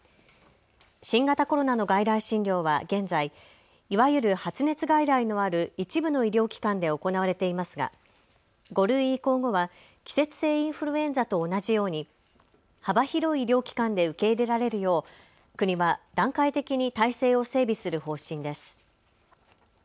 新型コロナの外来診療は現在、いわゆる発熱外来のある一部の医療機関で行われていますが５類移行後は季節性インフルエンザと同じように幅広い医療機関で受け入れられるよう、国は段階的に体制を整備する方針です。